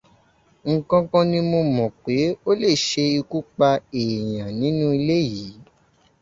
Nǹkankan ni mo mọ̀ pé ó lè ṣe ikú pa èèyàn nínú ilé yìí.